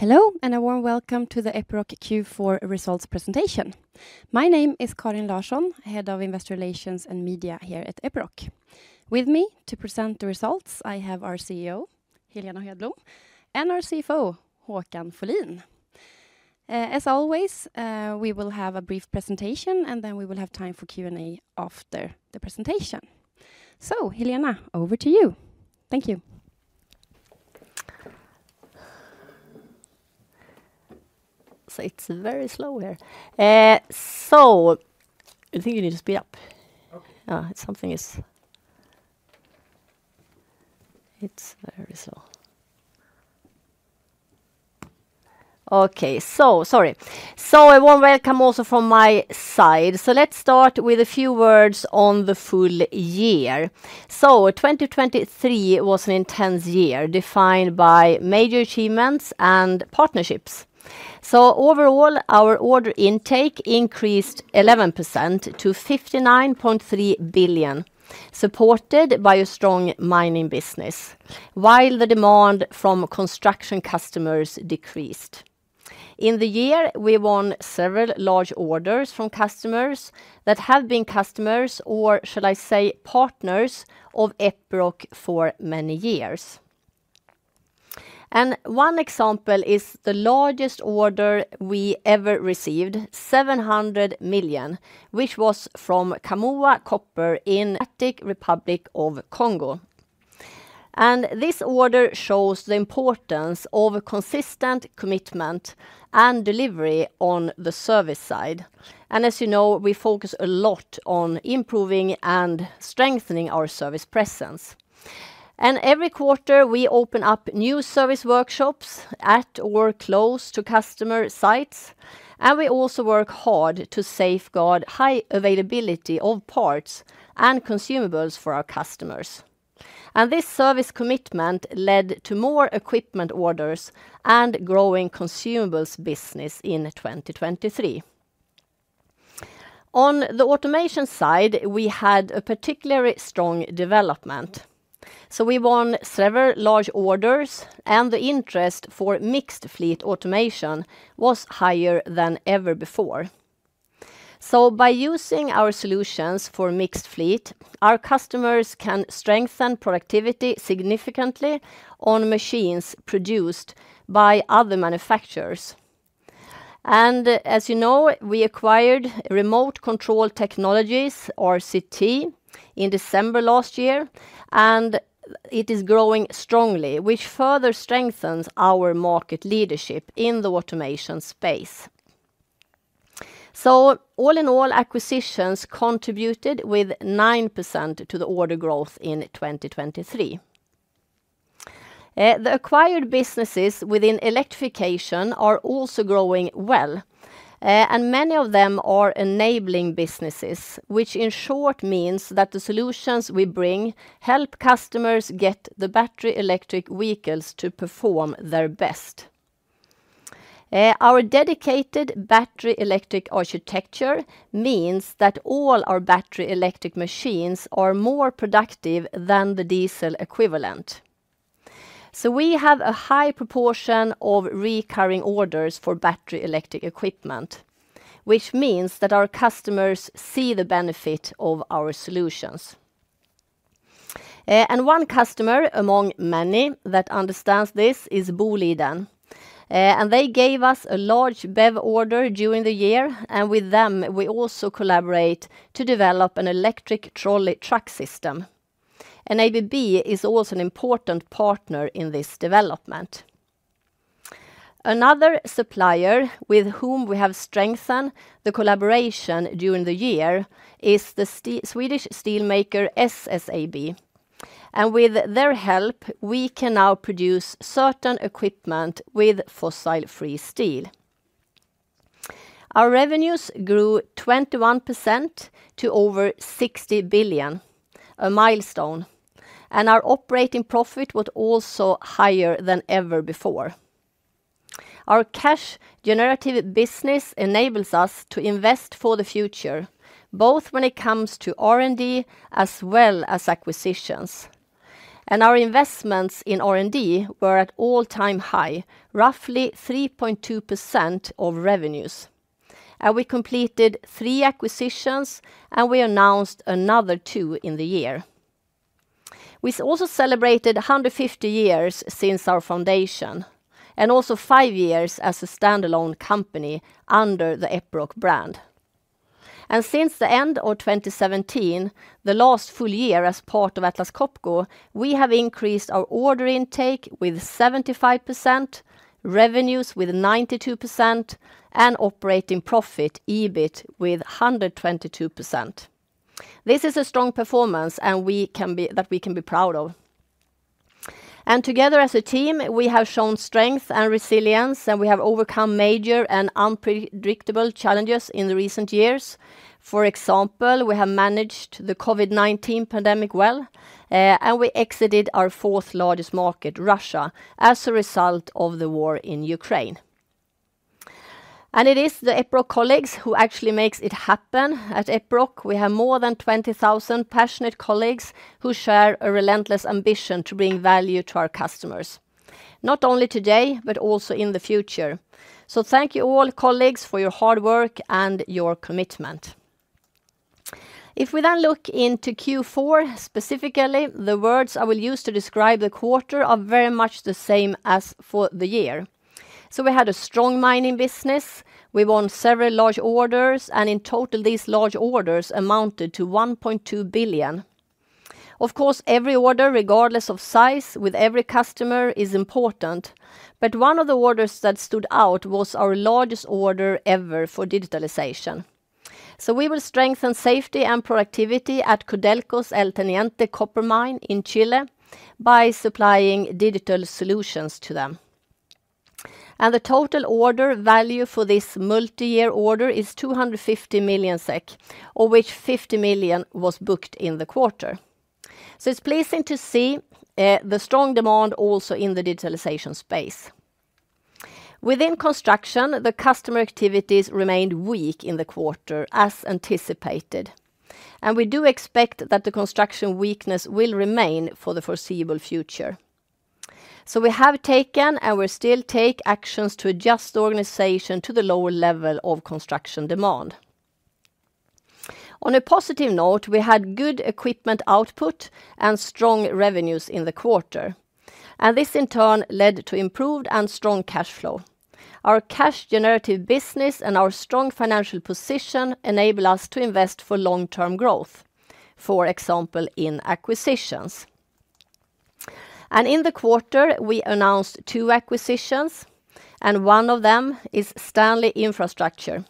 Hello, and a warm welcome to the Epiroc Q4 results presentation. My name is Karin Larsson, Head of Investor Relations and Media here at Epiroc. With me to present the results, I have our CEO, Helena Hedblom, and our CFO, Håkan Folin. As always, we will have a brief presentation, and then we will have time for Q&A after the presentation. So Helena, over to you. Thank you. It's very slow here. So I think you need to speed up. Okay. A warm welcome also from my side. Let's start with a few words on the full-year. 2023 was an intense year, defined by major achievements and partnerships. Overall, our order intake increased 11% to 59.3 billion, supported by a strong mining business, while the demand from construction customers decreased. In the year, we won several large orders from customers that have been customers, or shall I say, partners of Epiroc for many years. One example is the largest order we ever received, 700 million, which was from Kamoa Copper in the Democratic Republic of the Congo. This order shows the importance of a consistent commitment and delivery on the service side. As you know, we focus a lot on improving and strengthening our service presence. Every quarter, we open up new service workshops at or close to customer sites, and we also work hard to safeguard high availability of parts and consumables for our customers. This service commitment led to more equipment orders and growing consumables business in 2023. On the automation side, we had a particularly strong development, so we won several large orders, and the interest for Mixed Fleet Automation was higher than ever before. By using our solutions for mixed fleet, our customers can strengthen productivity significantly on machines produced by other manufacturers. As you know, we acquired Remote Control Technologies, RCT, in December last year, and it is growing strongly, which further strengthens our market leadership in the automation space. All in all, acquisitions contributed with 9% to the order growth in 2023. The acquired businesses within electrification are also growing well, and many of them are enabling businesses, which in short means that the solutions we bring help customers get the battery electric vehicles to perform their best. Our dedicated battery electric architecture means that all our battery electric machines are more productive than the diesel equivalent. So we have a high proportion of recurring orders for battery electric equipment, which means that our customers see the benefit of our solutions. And one customer among many that understands this is Boliden, and they gave us a large BEV order during the year, and with them, we also collaborate to develop an electric trolley truck system. And ABB is also an important partner in this development. Another supplier with whom we have strengthened the collaboration during the year is the Swedish steel maker, SSAB, and with their help, we can now produce certain equipment with fossil-free steel. Our revenues grew 21% to over 60 billion, a milestone, and our operating profit was also higher than ever before. Our cash generative business enables us to invest for the future, both when it comes to R&D as well as acquisitions. And our investments in R&D were at all-time high, roughly 3.2% of revenues. And we completed three acquisitions, and we announced another two in the year. We also celebrated 150 years since our foundation, and also five years as a standalone company under the Epiroc brand. Since the end of 2017, the last full-year as part of Atlas Copco, we have increased our order intake with 75%, revenues with 92%, and operating profit, EBIT, with 122%. This is a strong performance, and we can be proud of. Together as a team, we have shown strength and resilience, and we have overcome major and unpredictable challenges in the recent years. For example, we have managed the COVID-19 pandemic well, and we exited our fourth largest market, Russia, as a result of the war in Ukraine. It is the Epiroc colleagues who actually makes it happen. At Epiroc, we have more than 20,000 passionate colleagues who share a relentless ambition to bring value to our customers, not only today, but also in the future. So thank you all colleagues, for your hard work and your commitment. If we then look into Q4, specifically, the words I will use to describe the quarter are very much the same as for the year. So we had a strong mining business. We won several large orders, and in total, these large orders amounted to 1.2 billion. Of course, every order, regardless of size, with every customer, is important, but one of the orders that stood out was our largest order ever for digitalization. So we will strengthen safety and productivity at Codelco's El Teniente copper mine in Chile by supplying digital solutions to them. And the total order value for this multi-year order is 250 million SEK, of which 50 million was booked in the quarter. So it's pleasing to see the strong demand also in the digitalization space. Within construction, the customer activities remained weak in the quarter as anticipated, and we do expect that the construction weakness will remain for the foreseeable future. We have taken, and we still take actions to adjust the organization to the lower level of construction demand. On a positive note, we had good equipment output and strong revenues in the quarter, and this, in turn, led to improved and strong cash flow. Our cash generative business and our strong financial position enable us to invest for long-term growth, for example, in acquisitions. In the quarter, we announced two acquisitions, and one of them is Stanley Infrastructure.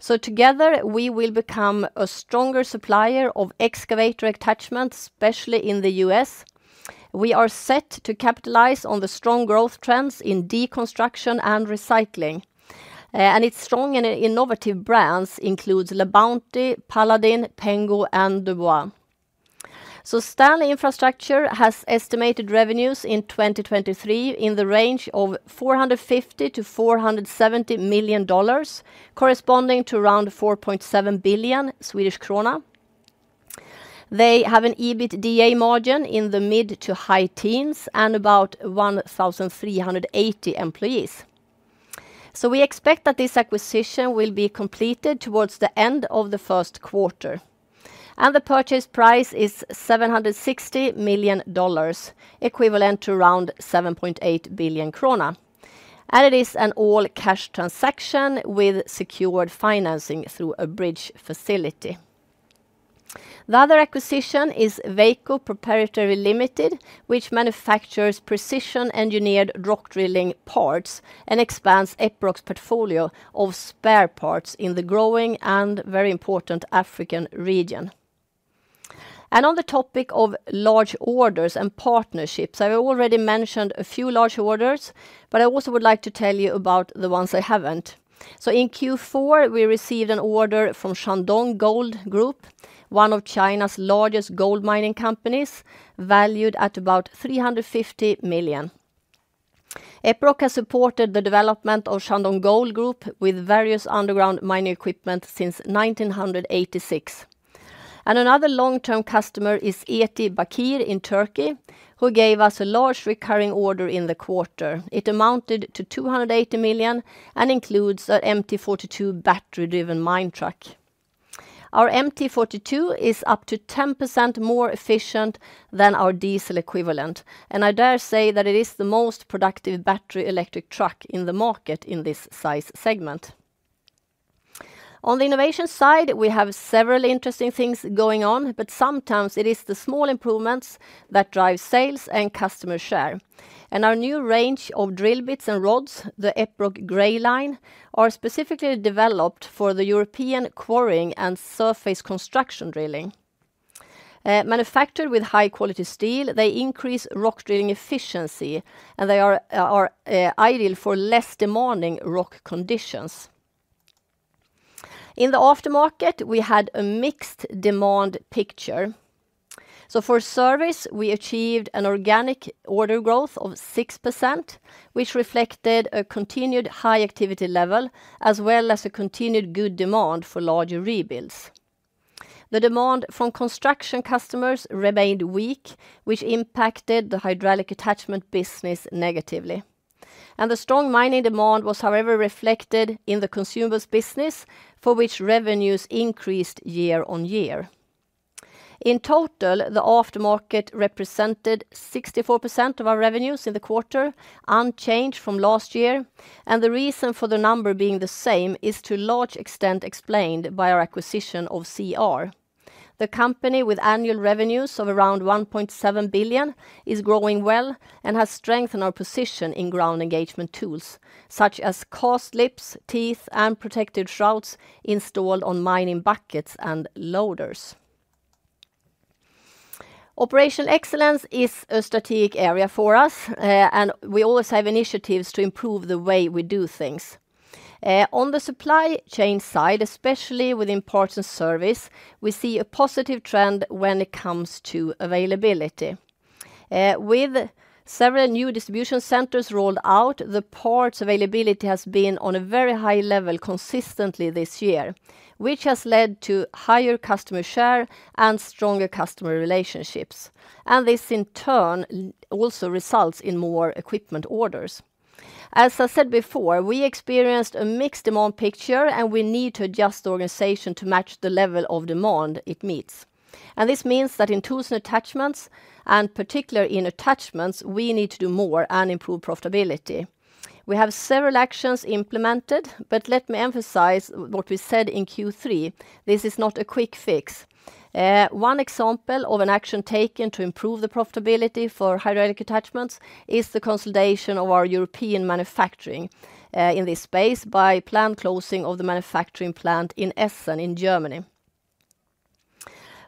Together, we will become a stronger supplier of excavator attachments, especially in the U.S. We are set to capitalize on the strong growth trends in deconstruction and recycling, and its strong and innovative brands include LaBounty, Paladin, Pengo, and Dubuis. Stanley Infrastructure has estimated revenues in 2023 in the range of $450 million-$470 million, corresponding to around 4.7 billion Swedish krona. They have an EBITDA margin in the mid- to high teens and about 1,380 employees. We expect that this acquisition will be completed towards the end of the first quarter, and the purchase price is $760 million, equivalent to around 7.8 billion krona. It is an all-cash transaction with secured financing through a bridge facility. The other acquisition is Weco Proprietary Limited, which manufactures precision-engineered rock drilling parts and expands Epiroc's portfolio of spare parts in the growing and very important African region. On the topic of large orders and partnerships, I already mentioned a few large orders, but I also would like to tell you about the ones I haven't. So in Q4, we received an order from Shandong Gold Group, one of China's largest gold mining companies, valued at about 350 million. Epiroc has supported the development of Shandong Gold Group with various underground mining equipment since 1986. Another long-term customer is Eti Bakir in Turkey, who gave us a large recurring order in the quarter. It amounted to 280 million and includes our MT42 battery-driven mine truck. Our MT42 is up to 10% more efficient than our diesel equivalent, and I dare say that it is the most productive battery electric truck in the market in this size segment. On the innovation side, we have several interesting things going on, but sometimes it is the small improvements that drive sales and customer share. And our new range of drill bits and rods, the Epiroc Grey Line, are specifically developed for the European quarrying and surface construction drilling. Manufactured with high-quality steel, they increase rock drilling efficiency, and they are ideal for less demanding rock conditions. In the aftermarket, we had a mixed demand picture. So for service, we achieved an organic order growth of 6%, which reflected a continued high activity level, as well as a continued good demand for larger rebuilds. The demand from construction customers remained weak, which impacted the hydraulic attachment business negatively. And the strong mining demand was, however, reflected in the consumables business, for which revenues increased year-on-year. In total, the aftermarket represented 64% of our revenues in the quarter, unchanged from last year, and the reason for the number being the same is to a large extent explained by our acquisition of CR. The company, with annual revenues of around 1.7 billion, is growing well and has strengthened our position in ground engagement tools, such as cast lips, teeth, and protective shrouds installed on mining buckets and loaders. Operational excellence is a strategic area for us, and we always have initiatives to improve the way we do things. On the supply chain side, especially within parts and service, we see a positive trend when it comes to availability. With several new distribution centers rolled out, the parts availability has been on a very high level consistently this year, which has led to higher customer share and stronger customer relationships, and this, in turn, also results in more equipment orders. As I said before, we experienced a mixed demand picture, and we need to adjust the organization to match the level of demand it meets. This means that in tools and attachments, and particularly in attachments, we need to do more and improve profitability. We have several actions implemented, but let me emphasize what we said in Q3. This is not a quick fix. One example of an action taken to improve the profitability for hydraulic attachments is the consolidation of our European manufacturing in this space by planned closing of the manufacturing plant in Essen, in Germany.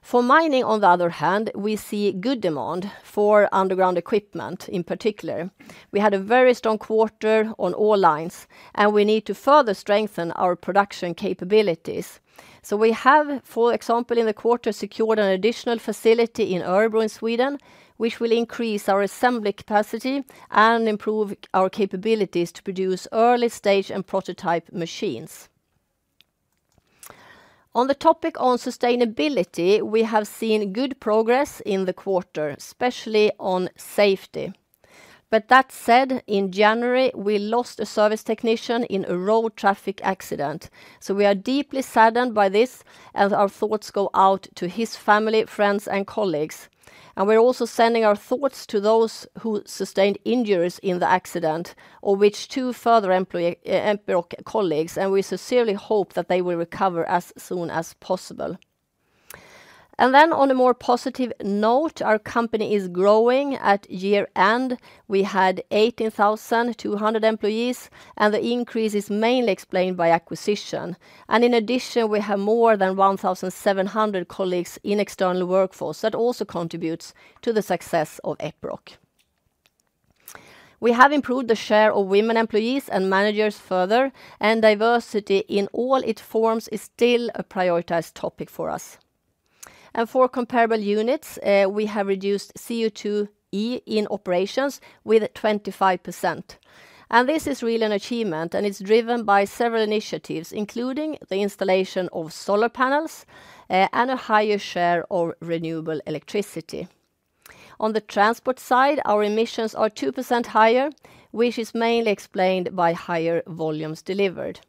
For mining, on the other hand, we see good demand for underground equipment in particular. We had a very strong quarter on all lines, and we need to further strengthen our production capabilities. So we have, for example, in the quarter, secured an additional facility in Örebro, in Sweden, which will increase our assembly capacity and improve our capabilities to produce early stage and prototype machines. On the topic of sustainability, we have seen good progress in the quarter, especially on safety. But that said, in January, we lost a service technician in a road traffic accident, so we are deeply saddened by this, and our thoughts go out to his family, friends, and colleagues. And we're also sending our thoughts to those who sustained injuries in the accident, of which two further employees, colleagues, and we sincerely hope that they will recover as soon as possible. And then, on a more positive note, our company is growing. At year-end, we had 18,200 employees, and the increase is mainly explained by acquisition. In addition, we have more than 1,700 colleagues in external workforce. That also contributes to the success of Epiroc. We have improved the share of women employees and managers further, and diversity in all its forms is still a prioritized topic for us. For comparable units, we have reduced CO2e in operations with 25%, and this is really an achievement, and it's driven by several initiatives, including the installation of solar panels, and a higher share of renewable electricity. On the transport side, our emissions are 2% higher, which is mainly explained by higher volumes delivered.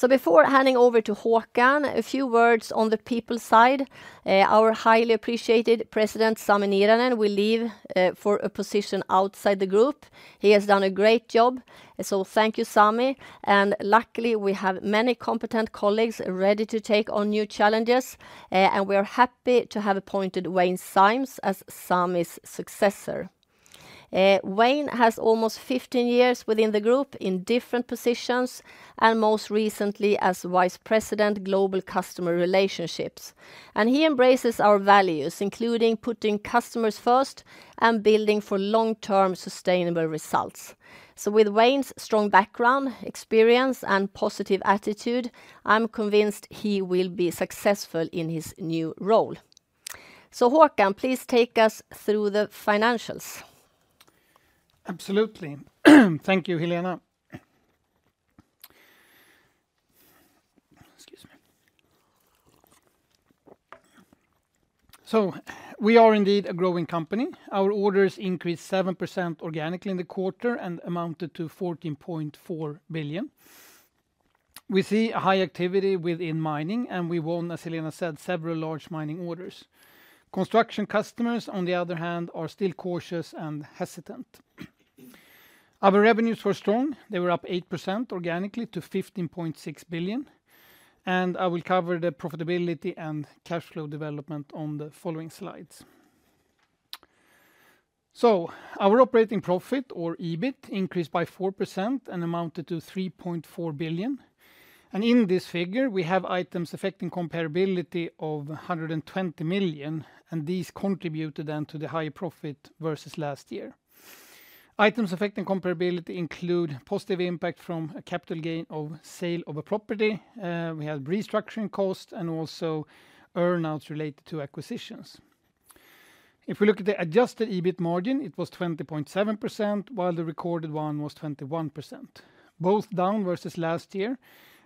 So before handing over to Håkan, a few words on the people side. Our highly appreciated President, Sami Niiranen, will leave for a position outside the group. He has done a great job, so thank you, Sami. And luckily, we have many competent colleagues ready to take on new challenges, and we are happy to have appointed Wayne Symes as Sami's successor. Wayne has almost 15 years within the group in different positions, and most recently as Vice President, Global Customer Relationships. And he embraces our values, including putting customers first and building for long-term, sustainable results. So with Wayne's strong background, experience, and positive attitude, I'm convinced he will be successful in his new role. So, Håkan, please take us through the financials. Absolutely. Thank you, Helena. Excuse me. We are indeed a growing company. Our orders increased 7% organically in the quarter and amounted to 14.4 billion. We see a high activity within mining, and we won, as Helena said, several large mining orders. Construction customers, on the other hand, are still cautious and hesitant. Our revenues were strong. They were up 8% organically to 15.6 billion, and I will cover the profitability and cash flow development on the following slides. Our operating profit or EBIT increased by 4% and amounted to 3.4 billion, and in this figure, we have items affecting comparability of 120 million, and these contributed then to the high profit versus last year. Items affecting comparability include positive impact from a capital gain of sale of a property. We had restructuring costs and also earn-outs related to acquisitions. If we look at the adjusted EBIT margin, it was 20.7%, while the recorded one was 21%. Both down versus last year,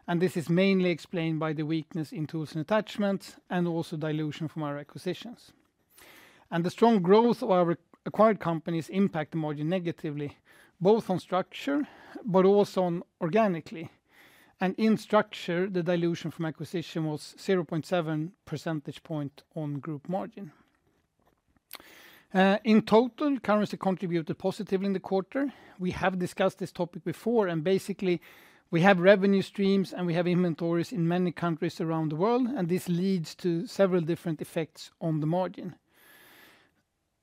and this is mainly explained by the weakness in tools and attachments, and also dilution from our acquisitions. And the strong growth of our acquired companies impact the margin negatively, both on structure but also on organically, and in structure, the dilution from acquisition was 0.7 percentage point on group margin. In total, currency contributed positively in the quarter. We have discussed this topic before, and basically, we have revenue streams, and we have inventories in many countries around the world, and this leads to several different effects on the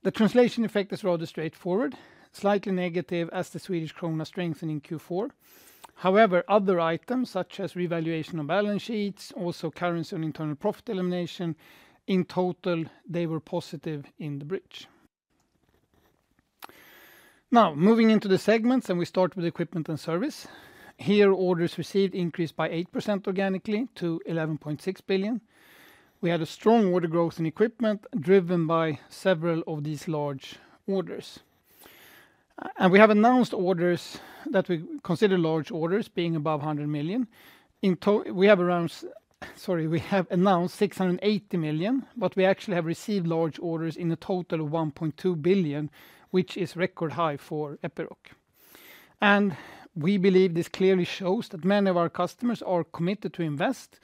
margin. The translation effect is rather straightforward, slightly negative, as the Swedish krona strengthened in Q4. However, other items, such as revaluation of balance sheets, also currency and internal profit elimination, in total, they were positive in the bridge. Now, moving into the segments, and we start with equipment and service. Here, orders received increased by 8% organically to 11.6 billion. We had a strong order growth in equipment, driven by several of these large orders. And we have announced orders that we consider large orders, being above 100 million. We have announced 680 million, but we actually have received large orders in a total of 1.2 billion, which is record high for Epiroc. And we believe this clearly shows that many of our customers are committed to invest,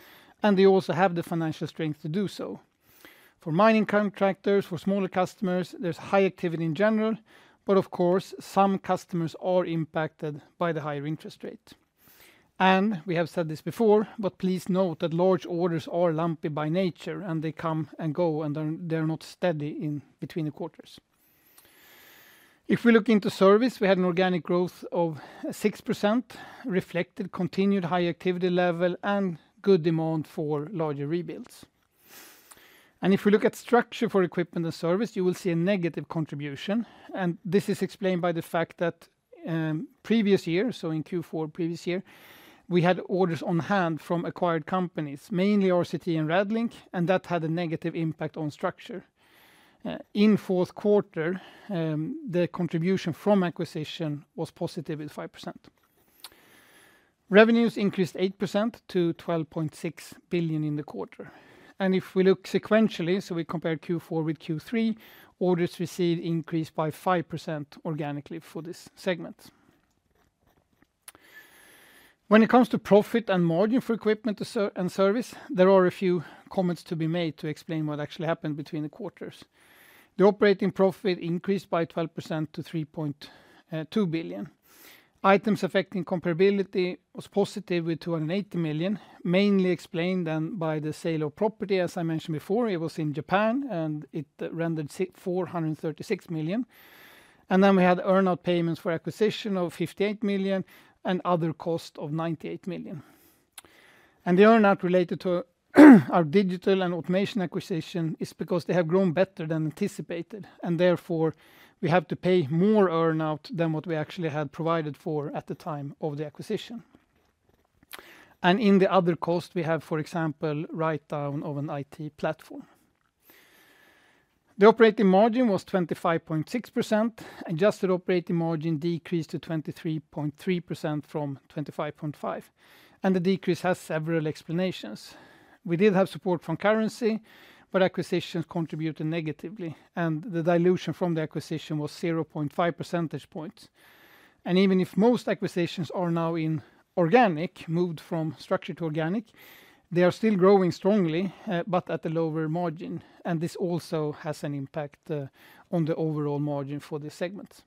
and they also have the financial strength to do so. For mining contractors, for smaller customers, there's high activity in general, but of course, some customers are impacted by the higher interest rate. We have said this before, but please note that large orders are lumpy by nature, and they come and go, and then they're not steady in between the quarters. If we look into service, we had an organic growth of 6%, reflected continued high activity level and good demand for larger rebuilds. If we look at structure for equipment and service, you will see a negative contribution, and this is explained by the fact that, previous year, so in Q4 previous year, we had orders on hand from acquired companies, mainly RCT and Radlink, and that had a negative impact on structure. In fourth quarter, the contribution from acquisition was positive with 5%. Revenues increased 8% to 12.6 billion in the quarter. If we look sequentially, so we compare Q4 with Q3, orders received increased by 5% organically for this segment. When it comes to profit and margin for equipment and service, there are a few comments to be made to explain what actually happened between the quarters. The operating profit increased by 12% to 3.2 billion. Items affecting comparability was positive with 280 million, mainly explained then by the sale of property, as I mentioned before, it was in Japan, and it rendered four hundred and thirty-six million. Then we had earn-out payments for acquisition of 58 million and other cost of 98 million. The earn-out related to our digital and automation acquisition is because they have grown better than anticipated, and therefore, we have to pay more earn-out than what we actually had provided for at the time of the acquisition. In the other cost, we have, for example, write-down of an IT platform. The operating margin was 25.6%. Adjusted operating margin decreased to 23.3% from 25.5%, and the decrease has several explanations. We did have support from currency, but acquisitions contributed negatively, and the dilution from the acquisition was 0.5 percentage points. Even if most acquisitions are now in organic, moved from structure to organic, they are still growing strongly, but at a lower margin, and this also has an impact on the overall margin for this segment.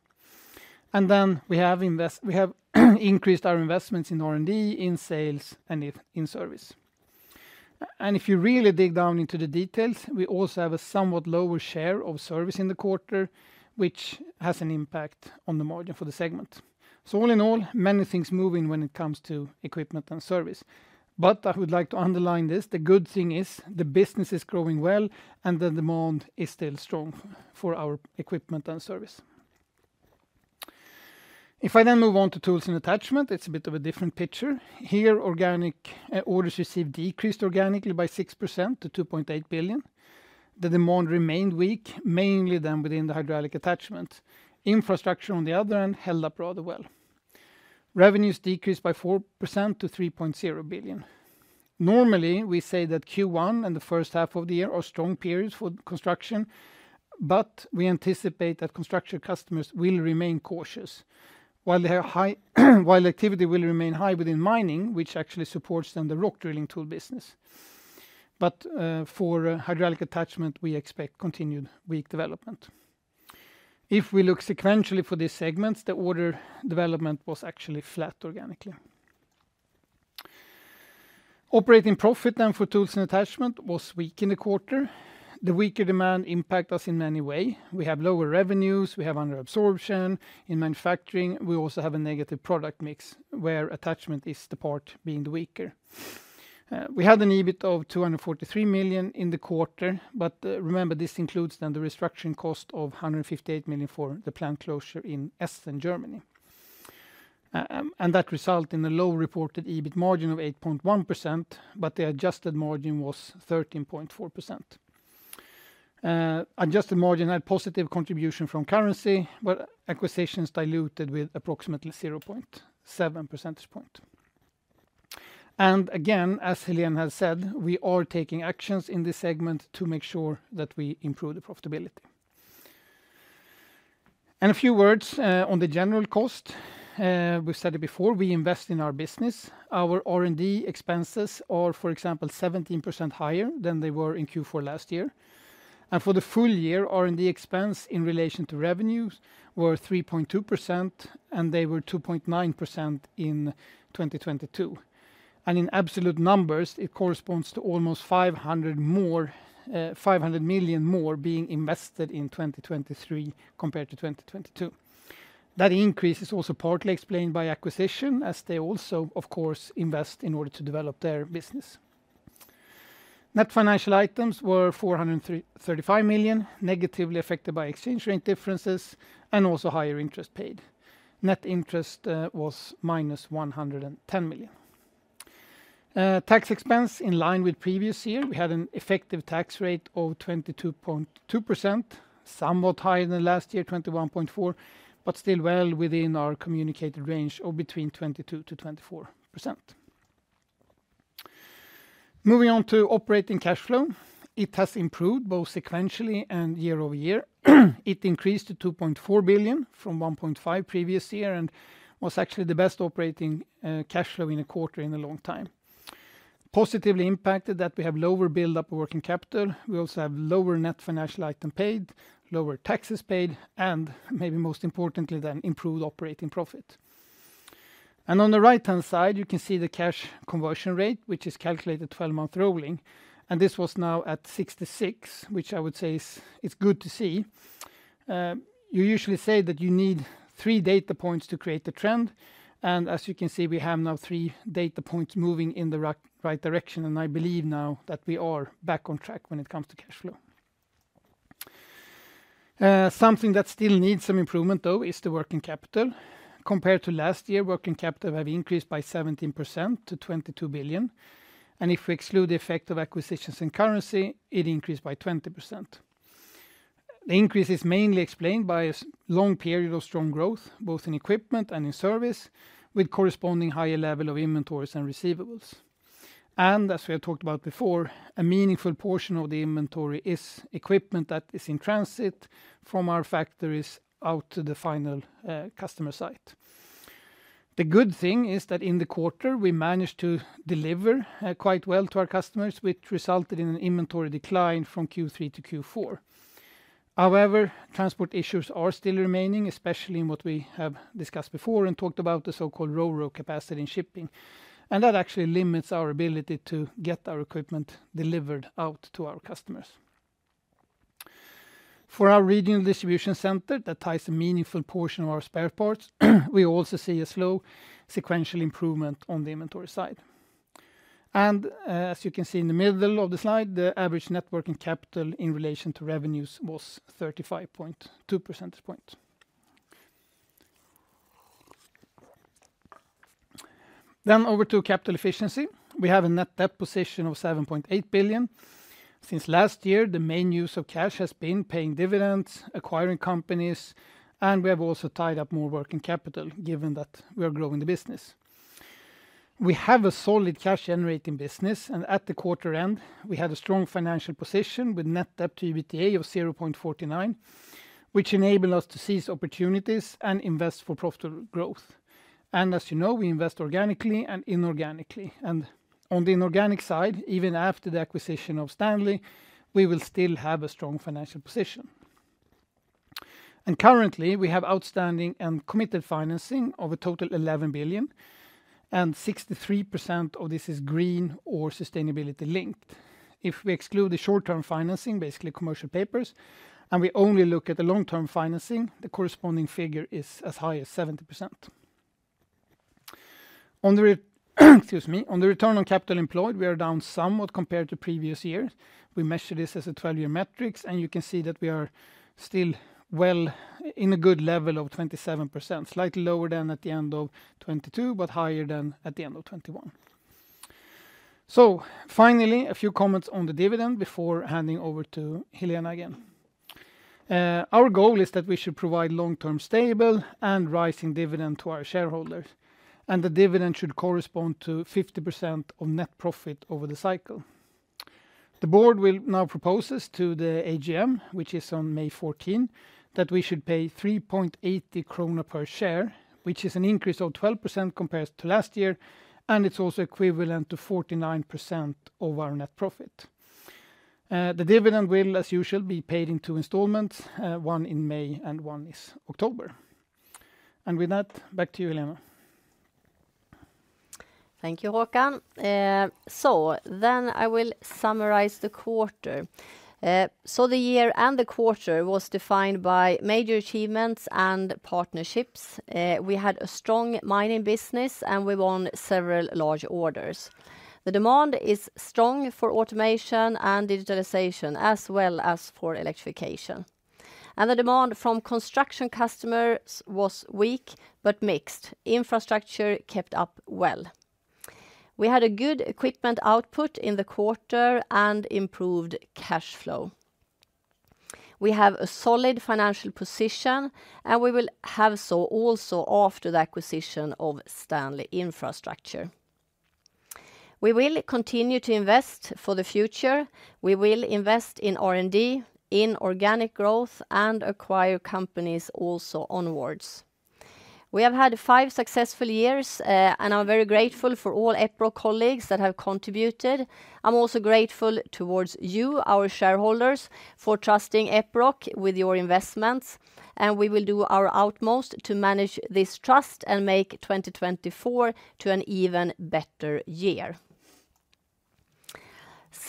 Then we have, we have increased our investments in R&D, in sales, and in service. If you really dig down into the details, we also have a somewhat lower share of service in the quarter, which has an impact on the margin for the segment. So all in all, many things moving when it comes to equipment and service. But I would like to underline this: the good thing is, the business is growing well, and the demand is still strong for our equipment and service. If I then move on to tools and attachment, it's a bit of a different picture. Here, organic orders received decreased organically by 6% to 2.8 billion. The demand remained weak, mainly then within the hydraulic attachment. Infrastructure, on the other hand, held up rather well. Revenues decreased by 4% to 3.0 billion. Normally, we say that Q1 and the first half of the year are strong periods for construction, but we anticipate that construction customers will remain cautious. While they are high, while activity will remain high within mining, which actually supports then the rock drilling tool business. But, for hydraulic attachment, we expect continued weak development. If we look sequentially for these segments, the order development was actually flat organically. Operating profit, then, for tools and attachment was weak in the quarter. The weaker demand impact us in many way. We have lower revenues, we have underabsorption in manufacturing. We also have a negative product mix, where attachment is the part being the weaker. We had an EBIT of 243 million in the quarter, but, remember, this includes then the restructuring cost of 158 million for the plant closure in Essen, Germany. And that result in a low reported EBIT margin of 8.1%, but the adjusted margin was 13.4%. Adjusted margin had positive contribution from currency, but acquisitions diluted with approximately 0.7 percentage point. And again, as Helena has said, we are taking actions in this segment to make sure that we improve the profitability. And a few words on the general cost. We've said it before, we invest in our business. Our R&D expenses are, for example, 17% higher than they were in Q4 last year. And for the full-year, R&D expense in relation to revenues were 3.2%, and they were 2.9% in 2022. And in absolute numbers, it corresponds to almost 500 million more being invested in 2023 compared to 2022. That increase is also partly explained by acquisition, as they also, of course, invest in order to develop their business. Net financial items were -433 million, negatively affected by exchange rate differences and also higher interest paid. Net interest was minus 110 million. Tax expense in line with previous year, we had an effective tax rate of 22.2%, somewhat higher than last year, 21.4%, but still well within our communicated range of between 22%-24%. Moving on to operating cash flow, it has improved both sequentially and year-over-year. It increased to 2.4 billion from 1.5 billion previous year, and was actually the best operating cash flow in a quarter in a long time. Positively impacted that we have lower build-up working capital. We also have lower net financial item paid, lower taxes paid, and maybe most importantly, then improved operating profit. On the right-hand side, you can see the cash conversion rate, which is calculated 12-month rolling, and this was now at 66%, which I would say is, is good to see. You usually say that you need three data points to create the trend, and as you can see, we have now three data points moving in the right, right direction, and I believe now that we are back on track when it comes to cash flow. Something that still needs some improvement, though, is the working capital. Compared to last year, working capital have increased by 17% to 22 billion, and if we exclude the effect of acquisitions and currency, it increased by 20%. The increase is mainly explained by a long period of strong growth, both in equipment and in service, with corresponding higher level of inventories and receivables. As we have talked about before, a meaningful portion of the inventory is equipment that is in transit from our factories out to the final customer site. The good thing is that in the quarter, we managed to deliver quite well to our customers, which resulted in an inventory decline from Q3 to Q4. However, transport issues are still remaining, especially in what we have discussed before and talked about, the so-called Ro-Ro capacity in shipping, and that actually limits our ability to get our equipment delivered out to our customers. For our regional distribution center, that ties a meaningful portion of our spare parts, we also see a slow sequential improvement on the inventory side. As you can see in the middle of the slide, the average net working capital in relation to revenues was 35.2 percentage point. Then over to capital efficiency. We have a net debt position of 7.8 billion. Since last year, the main use of cash has been paying dividends, acquiring companies, and we have also tied up more working capital, given that we are growing the business. We have a solid cash-generating business, and at the quarter-end, we had a strong financial position with net debt to EBITDA of 0.49, which enable us to seize opportunities and invest for profitable growth. And as you know, we invest organically and inorganically, and on the inorganic side, even after the acquisition of Stanley, we will still have a strong financial position. Currently, we have outstanding and committed financing of a total 11 billion, and 63% of this is green or sustainability linked. If we exclude the short-term financing, basically commercial papers, and we only look at the long-term financing, the corresponding figure is as high as 70%. Excuse me. On the return on capital employed, we are down somewhat compared to previous years. We measure this as a 12-year metrics, and you can see that we are still well in a good level of 27%, slightly lower than at the end of 2022, but higher than at the end of 2021. So finally, a few comments on the dividend before handing over to Helena again. Our goal is that we should provide long-term, stable, and rising dividend to our shareholders, and the dividend should correspond to 50% of net profit over the cycle. The board will now propose this to the AGM, which is on May 14, that we should pay 3.80 krona per share, which is an increase of 12% compared to last year, and it's also equivalent to 49% of our net profit. The dividend will, as usual, be paid in two installments, one in May and one in October. With that, back to you, Helena. Thank you, Håkan. Then I will summarize the quarter. The year and the quarter was defined by major achievements and partnerships. We had a strong mining business, and we won several large orders. The demand is strong for automation and digitalization, as well as for electrification, and the demand from construction customers was weak, but mixed. Infrastructure kept up well. We had a good equipment output in the quarter and improved cash flow. We have a solid financial position, and we will have so also after the acquisition of Stanley Infrastructure. We will continue to invest for the future. We will invest in R&D, in organic growth, and acquire companies also onwards. We have had five successful years, and I'm very grateful for all Epiroc colleagues that have contributed. I'm also grateful towards you, our shareholders, for trusting Epiroc with your investments, and we will do our utmost to manage this trust and make 2024 to an even better year.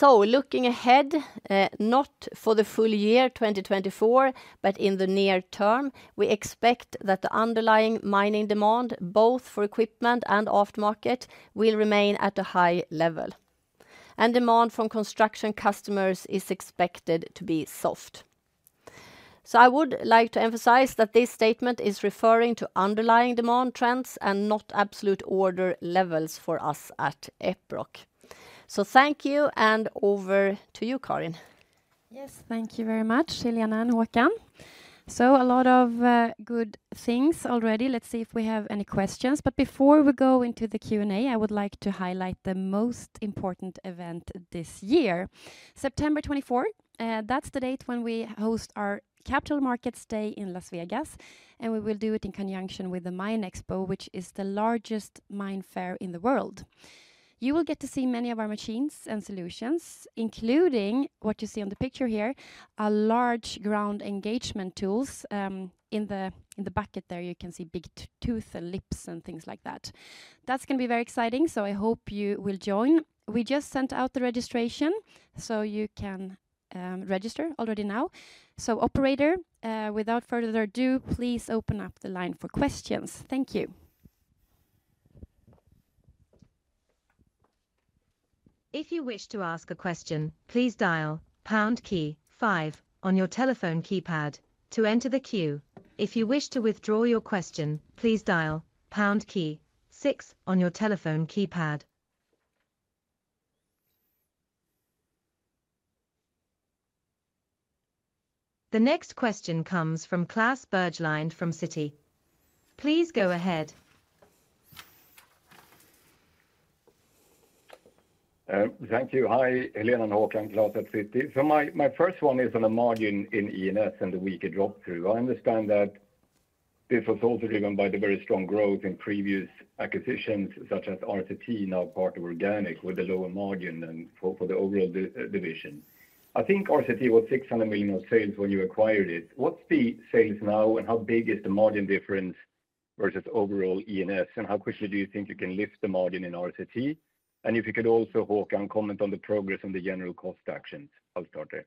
Looking ahead, not for the full-year 2024, but in the near term, we expect that the underlying mining demand, both for equipment and aftermarket, will remain at a high level, and demand from construction customers is expected to be soft. I would like to emphasize that this statement is referring to underlying demand trends and not absolute order levels for us at Epiroc. Thank you, and over to you, Karin. Yes, thank you very much, Helena and Håkan. So a lot of good things already. Let's see if we have any questions. But before we go into the Q&A, I would like to highlight the most important event this year, September 24th, that's the date when we host our Capital Markets Day in Las Vegas, and we will do it in conjunction with the MINExpo, which is the largest mining fair in the world. You will get to see many of our machines and solutions, including what you see on the picture here, a large ground engagement tools. In the bucket there, you can see big teeth and lips and things like that. That's gonna be very exciting, so I hope you will join. We just sent out the registration, so you can register already now. Operator, without further ado, please open up the line for questions. Thank you. If you wish to ask a question, please dial pound key five on your telephone keypad to enter the queue. If you wish to withdraw your question, please dial pound key six on your telephone keypad. The next question comes from Klas Bergelind, from Citi. Please go ahead. Thank you. Hi, Helena and Håkan, Klas at Citi. So my, my first one is on the margin in E&S and the weaker drop through. I understand that this was also driven by the very strong growth in previous acquisitions, such as RCT, now part of organic, with a lower margin than for, for the overall division. I think RCT was 600 million of sales when you acquired it. What's the sales now, and how big is the margin difference versus overall E&S, and how quickly do you think you can lift the margin in RCT? And if you could also, Håkan, comment on the progress on the general cost actions. I'll start there.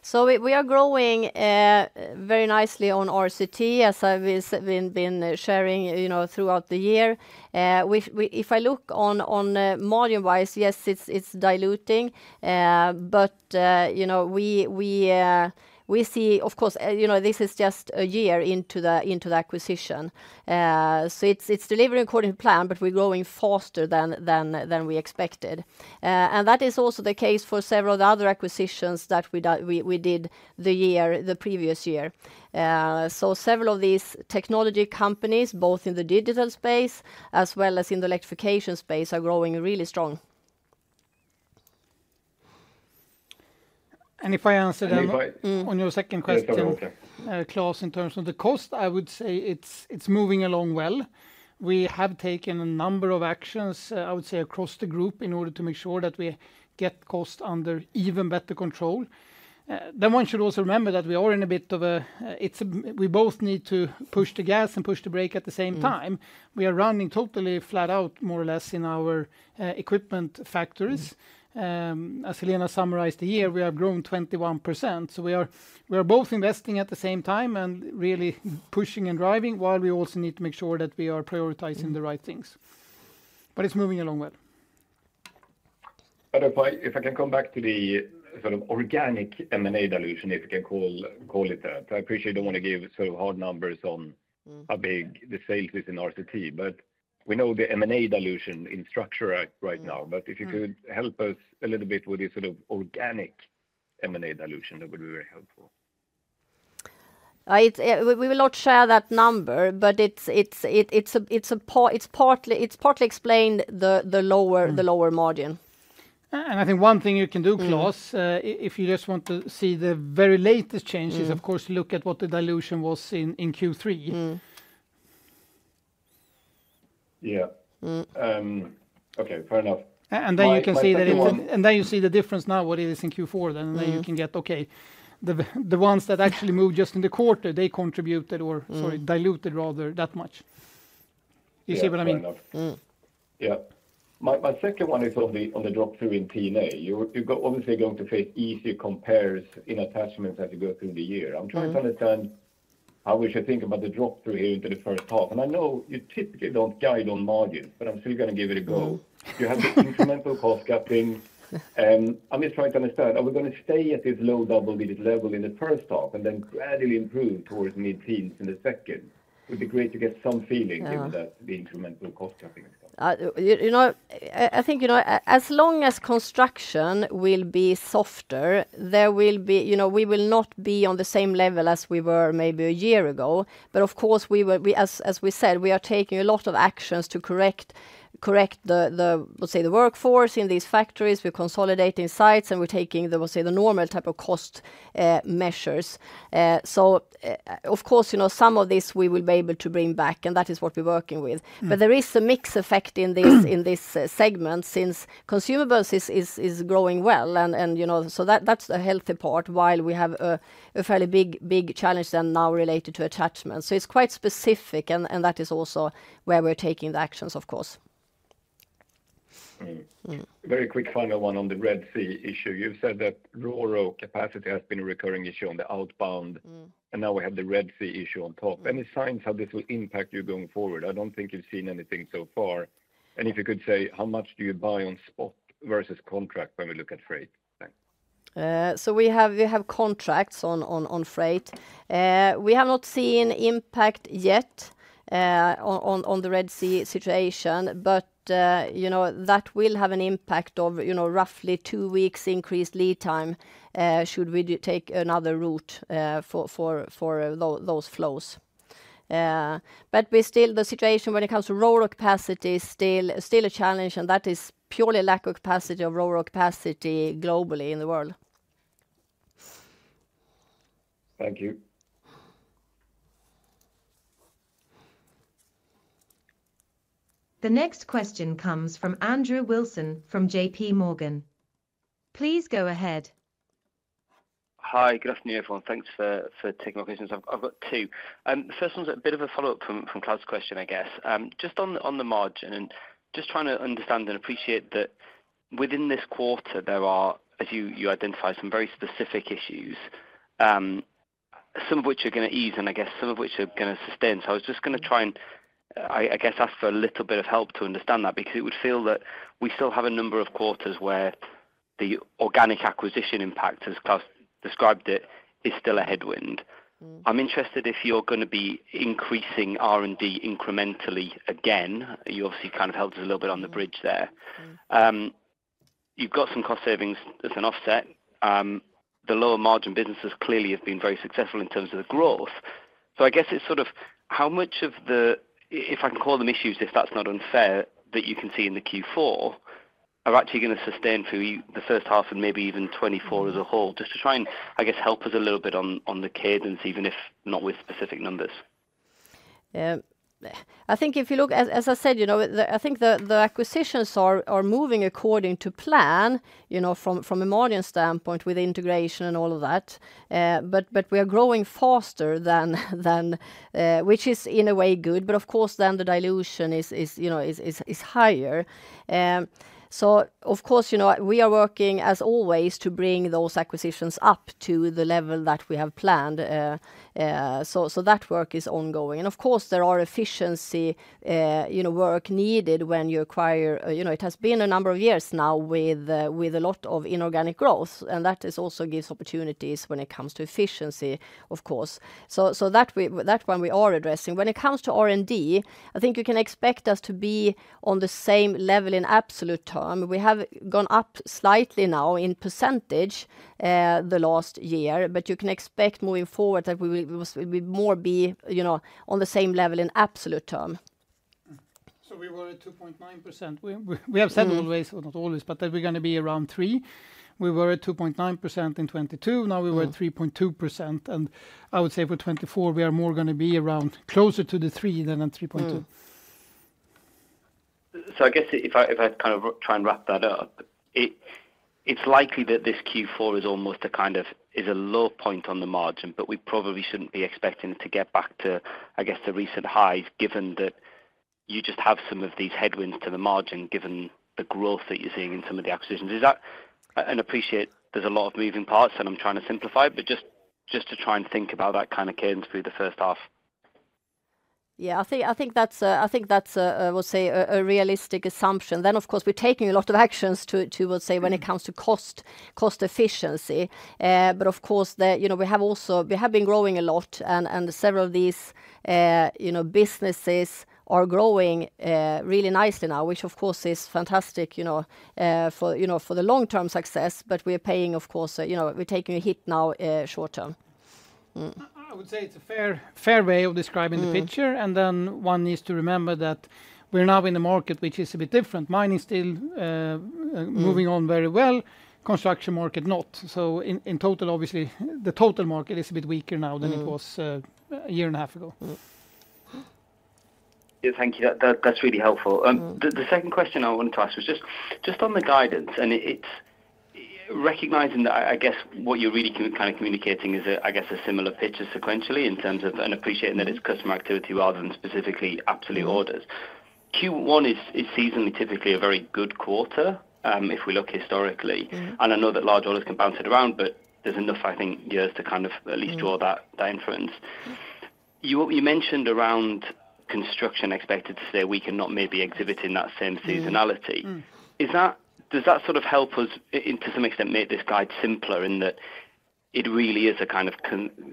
So we are growing very nicely on RCT, as I've been sharing, you know, throughout the year. If I look on margin-wise, yes, it's diluting, but you know, we see, of course, you know, this is just a year into the acquisition. So it's delivering according to plan, but we're growing faster than we expected. And that is also the case for several other acquisitions that we did the previous year. So several of these technology companies, both in the digital space as well as in the electrification space, are growing really strong. And if I answer then- And if I- on your second question - Yes, go on. Klas, in terms of the cost, I would say it's moving along well. We have taken a number of actions, I would say, across the group in order to make sure that we get cost under even better control. Then one should also remember that we are in a bit of a, we both need to push the gas and push the brake at the same time. Mm. We are running totally flat out, more or less, in our equipment factories. Mm. As Helena summarized the year, we have grown 21%, so we are both investing at the same time and really pushing and driving, while we also need to make sure that we are prioritizing the right things. But it's moving along well. If I can come back to the sort of organic M&A dilution, if you can call it that. I appreciate you don't want to give sort of hard numbers on- Mm... how big the sales is in RCT, but we know the M&A dilution in infrastructure right now. Mm. If you could help us a little bit with the sort of organic M&A dilution, that would be very helpful. We will not share that number, but it's partly explained the lower- Mm... the lower margin. I think one thing you can do, Klas- Mm... If you just want to see the very latest changes- Mm... of course, look at what the dilution was in, in Q3. Mm. Yeah. Mm. Okay, fair enough. Then you can see that it- My second one- And then you see the difference now, what it is in Q4 then. Mm... and then you can get, okay, the ones that actually moved just in the quarter, they contributed or- Mm... sorry, diluted rather, that much. You see what I mean? Yeah, fair enough. Mm. Yeah. My second one is on the drop-through in T&A. You've got, obviously going to face easier compares in attachments as you go through the year. Mm. I'm trying to understand how we should think about the drop-through into the first half. I know you typically don't guide on margin, but I'm still gonna give it a go. You have the incremental cost cutting. I'm just trying to understand, are we gonna stay at this low double-digit level in the first half and then gradually improve towards mid-teens in the second? It would be great to get some feeling- Ah... into that, the incremental cost cutting. You know, I think, you know, as long as construction will be softer, there will be... You know, we will not be on the same level as we were maybe a year ago. But of course, as we said, we are taking a lot of actions to correct the, let's say, the workforce in these factories. We're consolidating sites, and we're taking the, we'll say, the normal type of cost measures. So, of course, you know, some of this we will be able to bring back, and that is what we're working with. Mm. But there is a mix effect in this segment, since consumables is growing well, and you know, so that's the healthy part, while we have a fairly big challenge then now related to attachments. So it's quite specific, and that is also where we're taking the actions, of course. Mm. Yeah. Very quick final one on the Red Sea issue. You've said that Ro-Ro capacity has been a recurring issue on the outbound- Mm... and now we have the Red Sea issue on top. Any signs how this will impact you going forward? I don't think you've seen anything so far. And if you could say, how much do you buy on spot versus contract when we look at freight? Thanks. So we have contracts on freight. We have not seen impact yet on the Red Sea situation, but you know, that will have an impact of you know, roughly two weeks increased lead time, should we take another route for those flows. But the situation when it comes to Ro-Ro capacity is still a challenge, and that is purely lack of capacity of Ro-Ro capacity globally in the world. Thank you. The next question comes from Andrew Wilson from J.P. Morgan. Please go ahead. Hi. Good afternoon, everyone. Thanks for taking my questions. I've got two. The first one is a bit of a follow-up from Klas' question, I guess. Just on the margin, and just trying to understand and appreciate that within this quarter, there are, as you identified, some very specific issues, some of which are going to ease and I guess some of which are going to sustain. So I was just going to try and, I guess, ask for a little bit of help to understand that, because it would feel that we still have a number of quarters where the organic acquisition impact, as Klas described it, is still a headwind. Mm. I'm interested if you're going to be increasing R&D incrementally again. You obviously kind of helped us a little bit on the bridge there. Mm. You've got some cost savings as an offset. The lower margin businesses clearly have been very successful in terms of the growth. So I guess it's sort of how much of the... if I can call them issues, if that's not unfair, that you can see in the Q4, are actually going to sustain through the first half and maybe even 2024 as a whole? Just to try and, I guess, help us a little bit on the cadence, even if not with specific numbers. I think if you look. As I said, you know, the acquisitions are moving according to plan, you know, from a margin standpoint with integration and all of that. But we are growing faster than which is in a way good, but of course, then the dilution is, you know, is higher. So of course, you know, we are working, as always, to bring those acquisitions up to the level that we have planned. So that work is ongoing. And of course, there are efficiency, you know, work needed when you acquire. You know, it has been a number of years now with a lot of inorganic growth, and that is also gives opportunities when it comes to efficiency, of course. That one we are addressing. When it comes to R&D, I think you can expect us to be on the same level in absolute terms. We have gone up slightly now in percentage the last year, but you can expect moving forward that we will more be, you know, on the same level in absolute terms. So we were at 2.9%. We have said always, well, not always, but that we're going to be around 3%. We were at 2.9% in 2022, now we were at 3.2%, and I would say for 2024, we are more going to be around closer to the 3% than a 3.2%. Mm. So I guess if I kind of try and wrap that up, it's likely that this Q4 is almost a kind of low point on the margin, but we probably shouldn't be expecting to get back to, I guess, the recent highs, given that you just have some of these headwinds to the margin, given the growth that you're seeing in some of the acquisitions. Is that? And appreciate there's a lot of moving parts, and I'm trying to simplify, but just to try and think about that kind of cadence through the first half. Yeah, I think that's a realistic assumption. Then, of course, we're taking a lot of actions to, we'll say, when it comes to cost efficiency. But of course, you know, we have also been growing a lot, and several of these, you know, businesses are growing really nicely now, which, of course, is fantastic, you know, for the long-term success. But we are paying, of course, you know, we're taking a hit now, short term. I would say it's a fair way of describing the picture. Mm. And then one needs to remember that we're now in a market which is a bit different. Mining is still moving on very well, construction market, not. So in total, obviously, the total market is a bit weaker now- Mm... than it was, a year and a half ago. Mm. Yeah. Thank you. That, that's really helpful. Mm. The second question I wanted to ask was just on the guidance, and it's recognizing that, I guess, what you're really kind of communicating is, I guess, a similar picture sequentially in terms of... and appreciating that it's customer activity rather than specifically absolute orders. Q1 is seasonally typically a very good quarter, if we look historically. Mm-hmm. I know that large orders can bounce it around, but there's enough, I think, years to kind of at least draw that, that inference. Mm. You mentioned around construction expected to stay weak and not maybe exhibiting that same seasonality. Mm. Mm. Does that sort of help us, to some extent, make this guide simpler in that it really is a kind of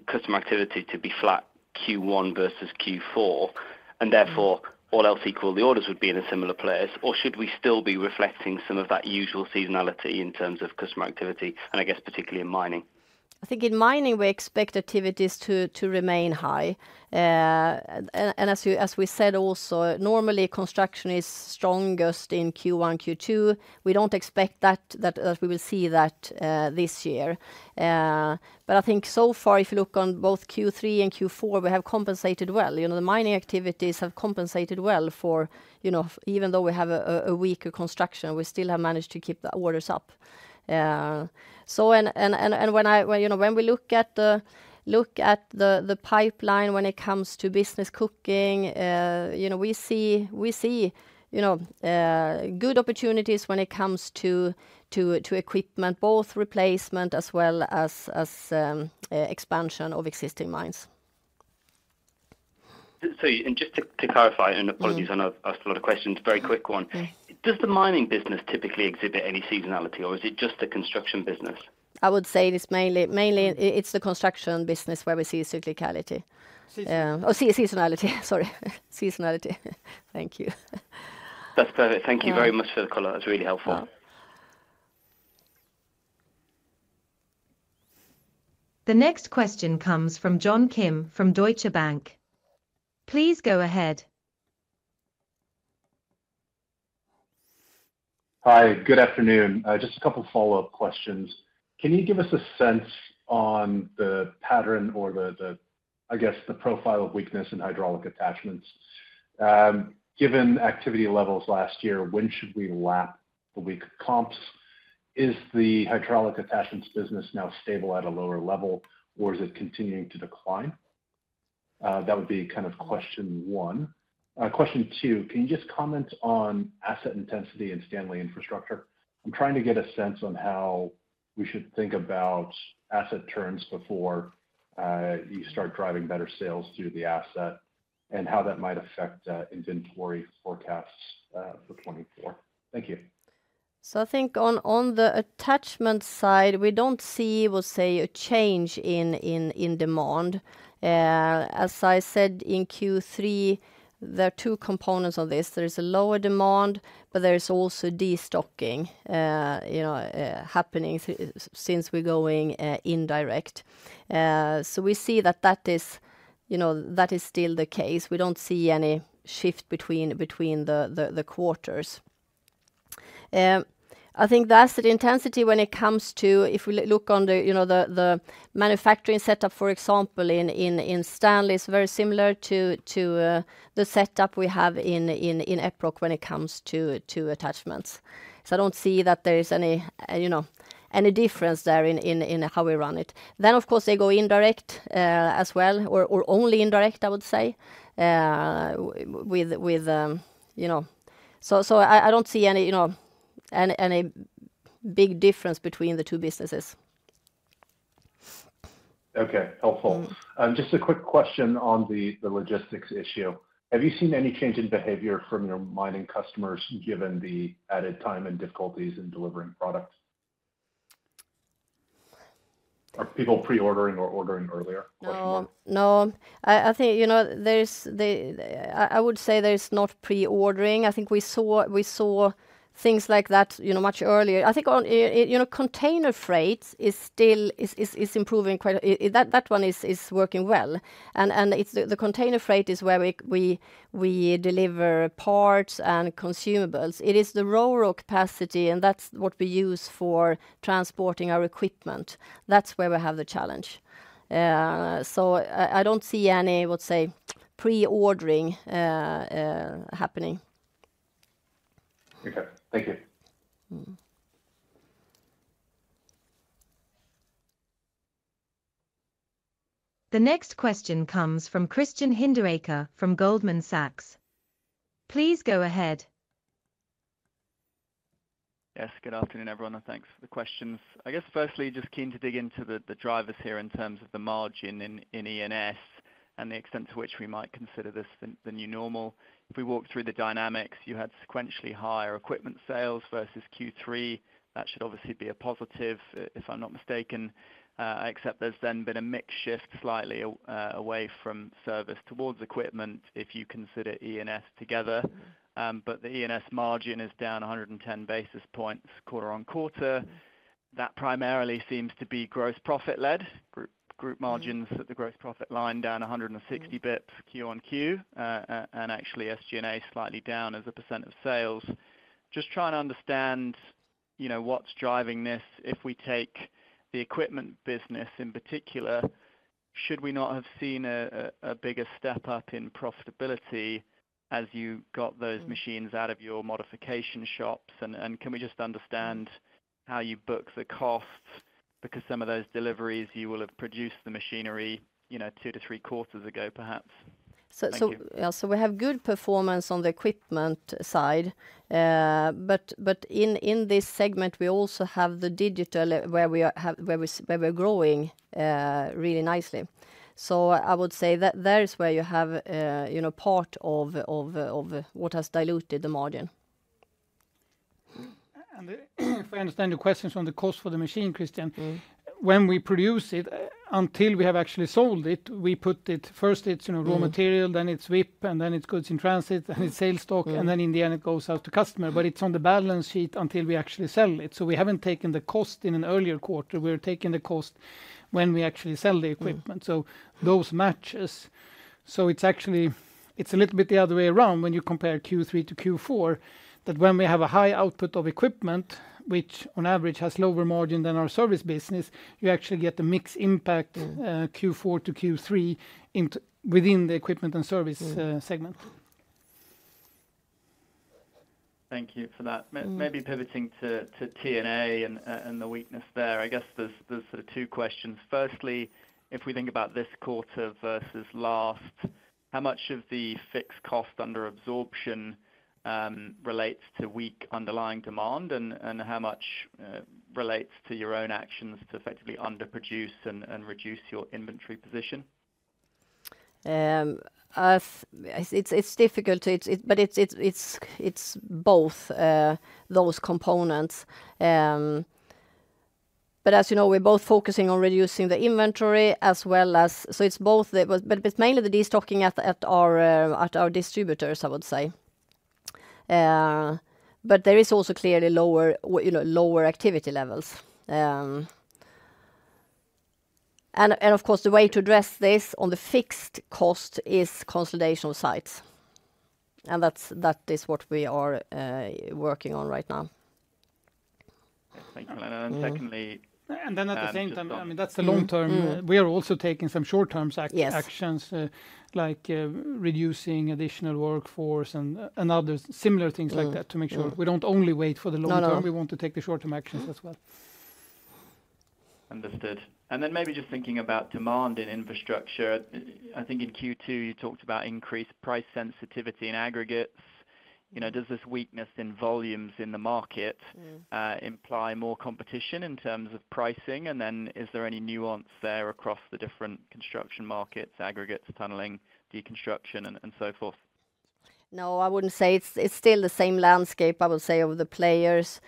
customer activity to be flat Q1 versus Q4, and therefore, all else equal, the orders would be in a similar place? Or should we still be reflecting some of that usual seasonality in terms of customer activity, and I guess particularly in mining? I think in mining, we expect activities to remain high. And as we said, normally, construction is strongest in Q1, Q2. We don't expect that we will see that this year. But I think so far, if you look on both Q3 and Q4, we have compensated well. You know, the mining activities have compensated well for, you know, even though we have a weaker construction, we still have managed to keep the orders up. So when, you know, when we look at the pipeline, when it comes to business cooking, you know, we see good opportunities when it comes to equipment, both replacement as well as expansion of existing mines.... So, and just to clarify, and apologies, I know I've asked a lot of questions. Very quick one. Okay. Does the mining business typically exhibit any seasonality, or is it just the construction business? I would say it is mainly it's the construction business where we see cyclicality. Seasonality. Seasonality. Sorry. Seasonality. Thank you. That's perfect. Thank you very much for the call. That's really helpful. You're welcome. The next question comes from Johan Sjöberg from Deutsche Bank. Please go ahead. Hi, good afternoon. Just a couple follow-up questions. Can you give us a sense on the pattern or the, the, I guess, the profile of weakness in hydraulic attachments? Given activity levels last year, when should we lap the weak comps? Is the hydraulic attachments business now stable at a lower level, or is it continuing to decline? That would be kind of question one. Question two, can you just comment on asset intensity in Stanley Infrastructure? I'm trying to get a sense on how we should think about asset turns before you start driving better sales through the asset and how that might affect inventory forecasts for 2024. Thank you. So I think on the attachment side, we don't see, we'll say, a change in demand. As I said, in Q3, there are two components of this: There is a lower demand, but there is also destocking, you know, happening since we're going indirect. So we see that that is, you know, that is still the case. We don't see any shift between the quarters. I think the asset intensity, when it comes to... If we look on the, you know, the manufacturing setup, for example, in Stanley, it's very similar to the setup we have in Epiroc when it comes to attachments. So I don't see that there is any, you know, any difference there in how we run it. Then, of course, they go indirect as well, or only indirect, I would say, with you know. So, I don't see any, you know, big difference between the two businesses. Okay. Helpful. Mm-hmm. Just a quick question on the logistics issue. Have you seen any change in behavior from your mining customers, given the added time and difficulties in delivering products? Are people pre-ordering or ordering earlier more? No. No. I think, you know, I would say there's not pre-ordering. I think we saw things like that, you know, much earlier. I think on, you know, container freight is still improving quite. That one is working well, and it's the container freight where we deliver parts and consumables. It is the Ro-Ro capacity, and that's what we use for transporting our equipment. That's where we have the challenge. So I don't see any, I would say, pre-ordering happening. Okay. Thank you. Mm. The next question comes from Christian Hinderaker from Goldman Sachs. Please go ahead. Yes, good afternoon, everyone, and thanks for the questions. I guess, firstly, just keen to dig into the drivers here in terms of the margin in E&S and the extent to which we might consider this the new normal. If we walk through the dynamics, you had sequentially higher equipment sales versus Q3. That should obviously be a positive, if I'm not mistaken. Except there's then been a mix shift slightly away from service towards equipment, if you consider E&S together. But the E&S margin is down 110 basis points quarter-over-quarter. That primarily seems to be gross profit led. Group margins- Mm-hmm... at the gross profit line, down 160 BPS Q-on-Q. And actually, SG&A slightly down as a % of sales. Just trying to understand, you know, what's driving this. If we take the equipment business in particular, should we not have seen a bigger step up in profitability as you got those machines- Mm... out of your modification shops? And can we just understand how you book the costs? Because some of those deliveries, you will have produced the machinery, you know, 2-3 quarters ago, perhaps. Thank you. Yeah, we have good performance on the equipment side. But in this segment, we also have the digital, where we're growing really nicely. So I would say that there is where you have, you know, part of what has diluted the margin. If I understand your questions on the cost for the machine, Christian- Mm-hmm... when we produce it, until we have actually sold it, we put it, first it's, you know- Mm... raw material, then it's WIP, and then it's goods in transit, and it's sales stock- Yeah... and then in the end it goes out to customer. But it's on the balance sheet until we actually sell it, so we haven't taken the cost in an earlier quarter. We're taking the cost when we actually sell the equipment. Mm. So those matches. So it's actually, it's a little bit the other way around when you compare Q3 to Q4, that when we have a high output of equipment, which on average has lower margin than our service business, you actually get a mix impact- Mm... Q4 to Q3 within the equipment and service Mm... segment. Thank you for that. Mm. Maybe pivoting to T&A and the weakness there. I guess there's sort of two questions. Firstly, if we think about this quarter versus last... How much of the fixed cost under absorption relates to weak underlying demand? And how much relates to your own actions to effectively underproduce and reduce your inventory position? It's difficult, but it's both those components. But as you know, we're both focusing on reducing the inventory as well as. So it's both, but it's mainly the destocking at our distributors, I would say. But there is also clearly lower, you know, lower activity levels. And of course, the way to address this on the fixed cost is consolidation of sites, and that's what we are working on right now. Thank you. And secondly- And then at the same time, I mean, that's the long term. Mm. We are also taking some short-term act- Yes... actions, like, reducing additional workforce and other similar things like that- Mm... to make sure we don't only wait for the long term. No, no. We want to take the short-term actions as well. Understood. And then maybe just thinking about demand in infrastructure, I think in Q2, you talked about increased price sensitivity in aggregates. You know, does this weakness in volumes in the market- Mm... imply more competition in terms of pricing? And then is there any nuance there across the different construction markets, aggregates, tunneling, deconstruction, and so forth? No, I wouldn't say. It's still the same landscape, I would say, of the players.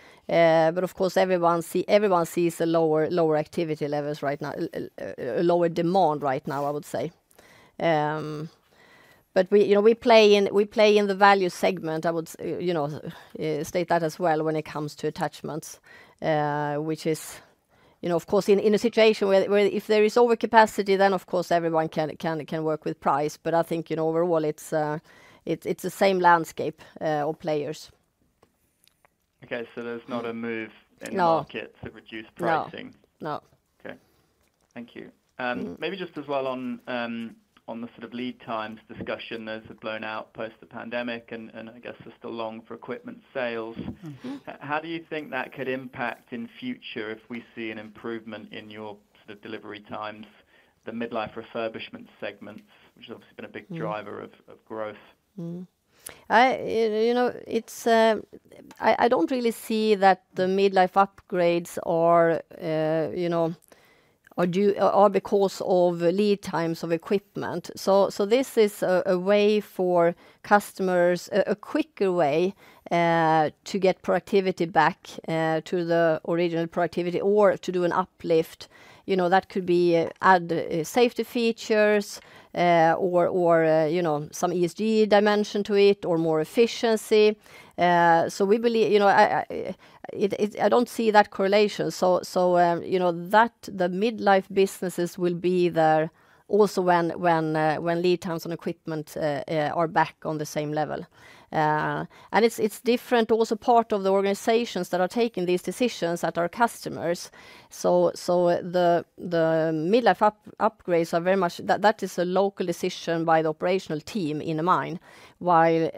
But of course, everyone sees the lower activity levels right now, lower demand right now, I would say. But we, you know, we play in the value segment. I would, you know, state that as well, when it comes to attachments. Which is, you know, of course, in a situation where if there is overcapacity, then of course, everyone can work with price. But I think, you know, overall it's the same landscape of players. Okay. So there's not a move in- No... the market to reduce pricing? No. No. Okay. Thank you. Mm-hmm. Maybe just as well on the sort of lead times discussion, those have blown out post the pandemic and I guess just the long for equipment sales. Mm-hmm. How do you think that could impact in future if we see an improvement in your sort of delivery times, the mid-life refurbishment segment, which has obviously been a big- Mm... driver of, of growth? You know, it's, I don't really see that the mid-life upgrades are, you know, are due, are because of lead times of equipment. So this is a way for customers, a quicker way to get productivity back to the original productivity or to do an uplift. You know, that could be add safety features or you know, some ESG dimension to it or more efficiency. So we believe. You know, I don't see that correlation. So you know, that the mid-life businesses will be there also when lead times on equipment are back on the same level. And it's different, also part of the organizations that are taking these decisions at our customers. So, the mid-life upgrades are very much... That is a local decision by the operational team in the mine, while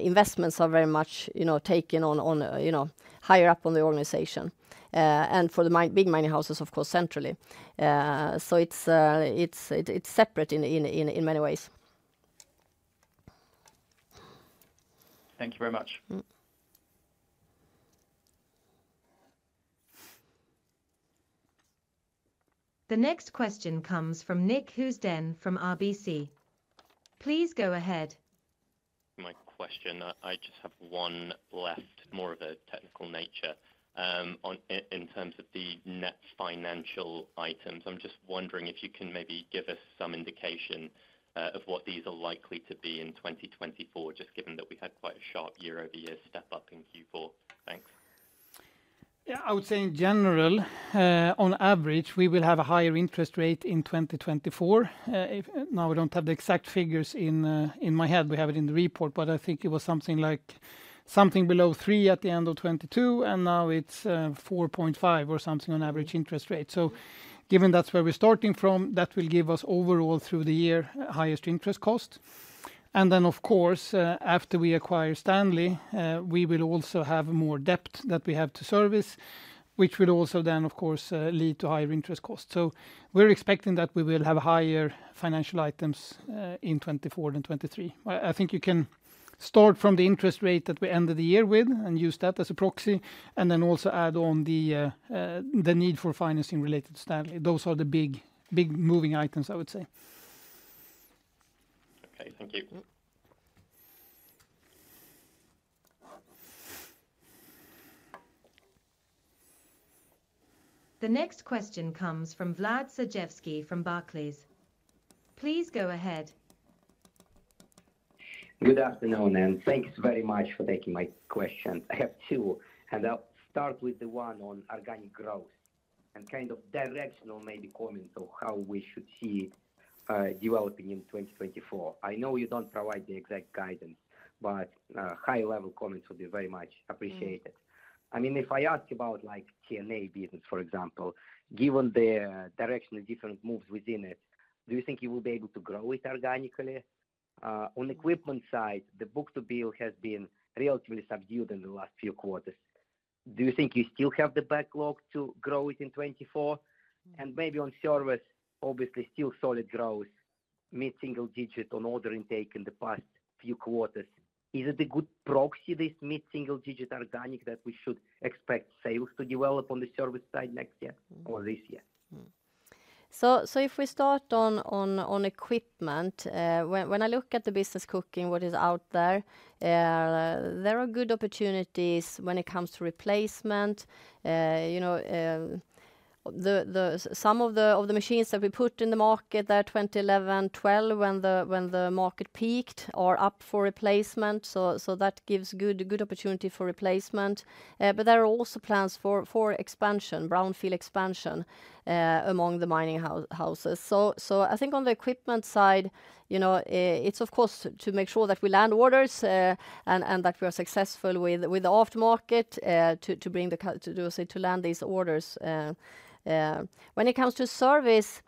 investments are very much, you know, taken on, you know, higher up on the organization. And for the big mining houses, of course, centrally. So it's separate in many ways. Thank you very much. Mm. The next question comes from Nick Housden from RBC. Please go ahead. My question, I just have one left, more of a technical nature. In terms of the net financial items, I'm just wondering if you can maybe give us some indication of what these are likely to be in 2024, just given that we've had quite a sharp year-over-year step up in Q4. Thanks. Yeah. I would say in general, on average, we will have a higher interest rate in 2024. Now we don't have the exact figures in my head, we have it in the report, but I think it was something like, something below 3 at the end of 2022, and now it's 4.5 or something on average interest rate. So given that's where we're starting from, that will give us overall through the year, highest interest cost. And then, of course, after we acquire Stanley, we will also have more debt that we have to service, which will also then, of course, lead to higher interest costs. So we're expecting that we will have higher financial items in 2024 than 2023. I think you can start from the interest rate that we ended the year with and use that as a proxy, and then also add on the need for financing related to Stanley. Those are the big, big moving items, I would say. Okay. Thank you. The next question comes from Vladimir Sergievski from Barclays. Please go ahead. Good afternoon, and thanks very much for taking my question. I have two, and I'll start with the one on organic growth and kind of directional, maybe comments on how we should see developing in 2024. I know you don't provide the exact guidance, but high-level comments would be very much appreciated. Mm. I mean, if I ask about like T&A business, for example, given the direction of different moves within it, do you think you will be able to grow it organically? On equipment side, the book-to-bill has been relatively subdued in the last few quarters. Do you think you still have the backlog to grow it in 2024? And maybe on service, obviously, still solid growth, mid-single digit on order intake in the past few quarters. Is it a good proxy, this mid-single digit organic, that we should expect sales to develop on the service side next year or this year? So if we start on equipment, when I look at the business outlook, what is out there, there are good opportunities when it comes to replacement. You know, some of the machines that we put in the market there, 2011, 2012, when the market peaked, are up for replacement. That gives good opportunity for replacement. But there are also plans for expansion, brownfield expansion, among the mining houses. I think on the equipment side, you know, it's of course to make sure that we land orders, and that we are successful with the aftermarket, to bring the customer to land these orders. When it comes to service,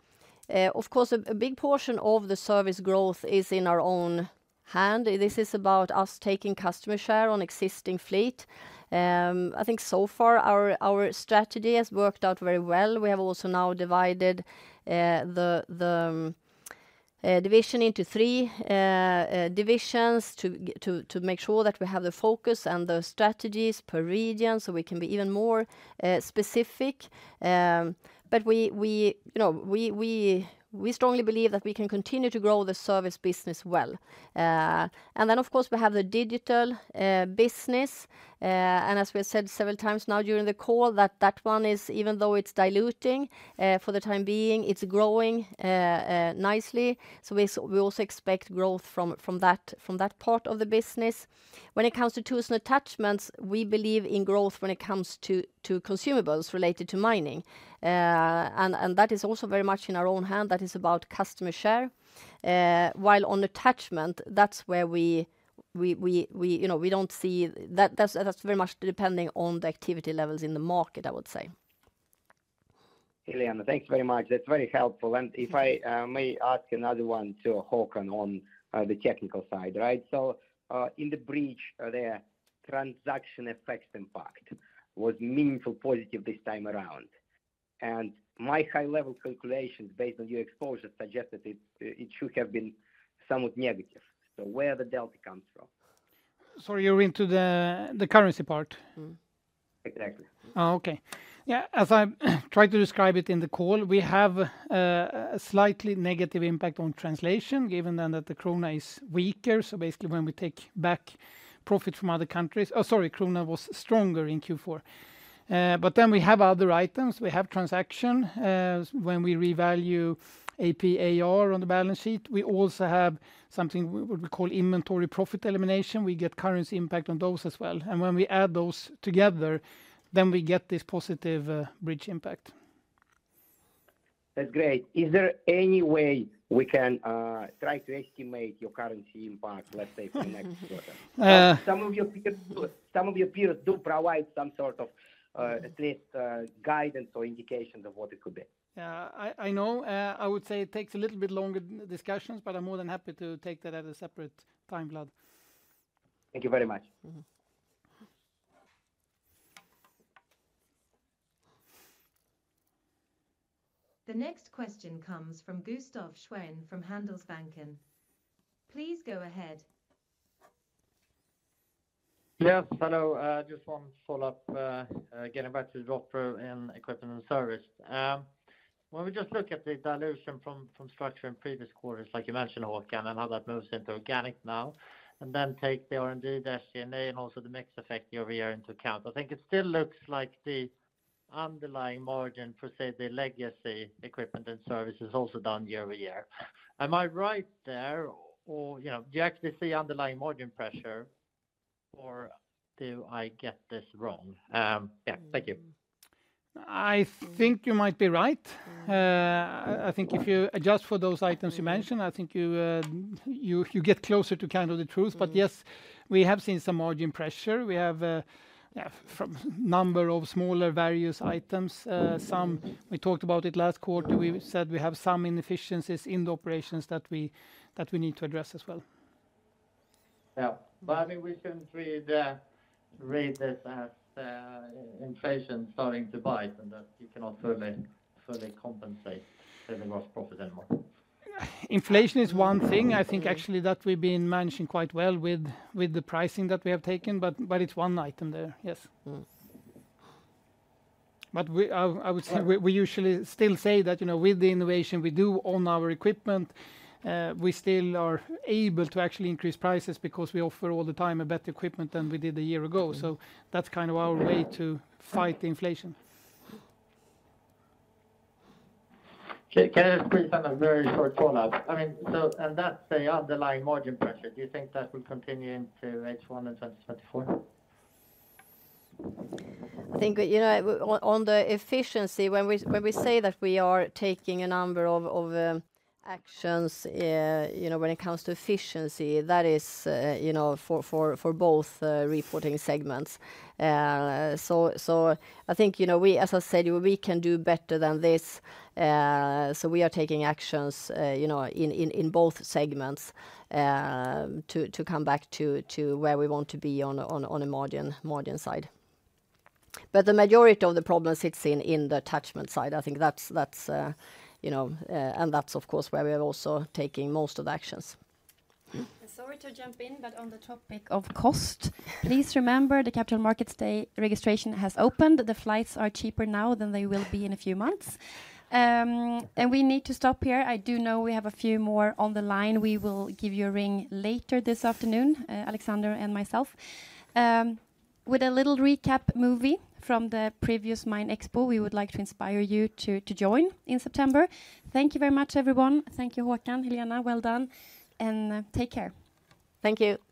of course, a big portion of the service growth is in our own hand. This is about us taking customer share on existing fleet. I think so far, our strategy has worked out very well. We have also now divided the division into three divisions, to make sure that we have the focus and the strategies per region, so we can be even more specific. But we, you know, we strongly believe that we can continue to grow the service business well. And then, of course, we have the digital business, and as we have said several times now during the call, that one is, even though it's diluting for the time being, it's growing nicely. So we also expect growth from that part of the business. When it comes to tools and attachments, we believe in growth when it comes to consumables related to mining. And that is also very much in our own hand. That is about customer share. While on attachment, that's where we you know we don't see. That's very much depending on the activity levels in the market, I would say. Helena, thank you very much. That's very helpful. And if I may ask another one to Håkan on the technical side, right? So, in the bridge, the transaction effects impact was meaningful positive this time around, and my high-level calculations, based on your exposure, suggest that it, it should have been somewhat negative. So where the delta comes from? Sorry, you're into the currency part? Mm-hmm. Exactly. Oh, okay. Yeah, as I tried to describe it in the call, we have a slightly negative impact on translation, given then that the Krona is weaker. So basically, when we take back profit from other countries. Oh, sorry, Krona was stronger in Q4. But then we have other items. We have transaction when we revalue AP/AR on the balance sheet. We also have something we call inventory profit elimination. We get currency impact on those as well, and when we add those together, then we get this positive bridge impact. That's great. Is there any way we can try to estimate your currency impact, let's say, for next quarter? Uh- Some of your peers do provide some sort of, at least, guidance or indications of what it could be. I know. I would say it takes a little bit longer discussions, but I'm more than happy to take that at a separate time, Vlad. Thank you very much. Mm-hmm. The next question comes from Gustaf Schwerin from Handelsbanken. Please go ahead. Yes, hello. Just one follow-up, getting back to the drop through in equipment and service. When we just look at the dilution from structure in previous quarters, like you mentioned, Håkan, and how that moves into organic now, and then take the R&D, G&A, and also the mix effect year-over-year into account, I think it still looks like the underlying margin for, say, the legacy equipment and service is also down year-over-year. Am I right there, or, you know, do you actually see underlying margin pressure, or do I get this wrong? Yeah. Thank you. I think you might be right. I think if you adjust for those items you mentioned, I think you, you get closer to kind of the truth. But yes, we have seen some margin pressure. We have, yeah, from number of smaller various items. Some, we talked about it last quarter. We said we have some inefficiencies in the operations that we, that we need to address as well. Yeah, but, I mean, we can read this as inflation starting to bite and that you cannot fully compensate for the gross profit anymore. Inflation is one thing. I think, actually, that we've been managing quite well with, with the pricing that we have taken, but, but it's one item there, yes. Mm. But we, I would say we, we usually still say that, you know, with the innovation we do on our equipment, we still are able to actually increase prices because we offer all the time a better equipment than we did a year ago. So that's kind of our way to fight the inflation. Okay, can I just please have a very short follow-up? I mean, so, and that's the underlying margin pressure. Do you think that will continue into H1 in 2024? I think, you know, on the efficiency, when we say that we are taking a number of actions, you know, when it comes to efficiency, that is, you know, for both reporting segments. So I think, you know, we, as I said, we can do better than this. So we are taking actions, you know, in both segments, to come back to where we want to be on a margin side. But the majority of the problem sits in the attachment side. I think that's, you know, and that's, of course, where we are also taking most of the actions. Sorry to jump in, but on the topic of cost, please remember the Capital Markets Day registration has opened. The flights are cheaper now than they will be in a few months. And we need to stop here. I do know we have a few more on the line. We will give you a ring later this afternoon, Alexander and myself. With a little recap movie from the previous MINExpo, we would like to inspire you to, to join in September. Thank you very much, everyone. Thank you, Håkan, Helena. Well done, and take care. Thank you.